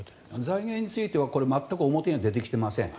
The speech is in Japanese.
財源については全く表に出てきていません。